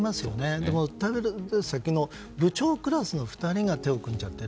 でも、訴える先の部長クラスの２人が手を組んじゃっている。